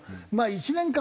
１年間？